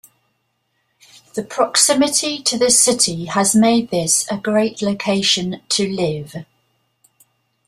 The proximity to the City has made this a great location to live.